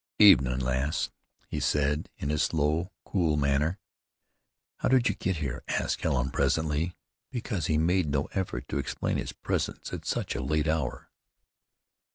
"Evenin', lass," he said in his slow, cool manner. "How did you get here?" asked Helen presently, because he made no effort to explain his presence at such a late hour.